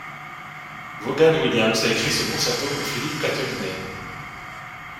Vaughan Williams a écrit ce concerto pour Philip Catelinet.